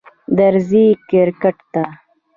درځی کرکټ ته